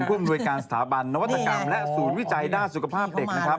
ผู้อำนวยการสถาบันนวัตกรรมและศูนย์วิจัยด้านสุขภาพเด็กนะครับ